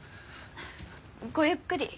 ごゆっくり。